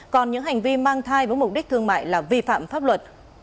còn những hành vi mang thai với mục đích thương mại là vi phạm pháp luật